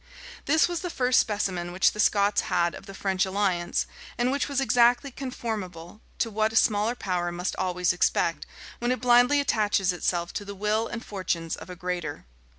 This was the first specimen which the Scots had of the French alliance, and which was exactly conformable to what a smaller power must always expect, when it blindly attaches itself to the will and fortunes of a greater.